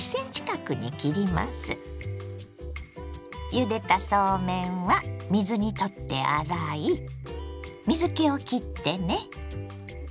ゆでたそうめんは水にとって洗い水けをきってね。